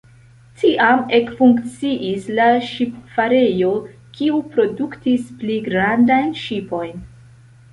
Tiam ekfunkciis la ŝipfarejo, kiu produktis pli grandajn ŝipojn.